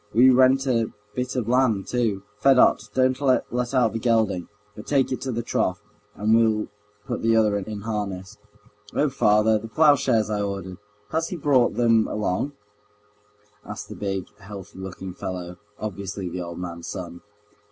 We rent a bit of land too. Fedot, don't let out the gelding, but take it to the trough, and we'll put the other in harness." "Oh, father, the ploughshares I ordered, has he brought them along?" asked the big, healthy looking fellow, obviously the old man's son.